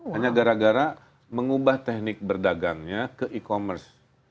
hanya gara gara mengubah teknik berdagangnya ke e commerce